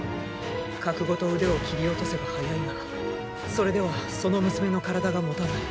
核ごと腕を切り落とせば早いがそれではその娘の体がもたない。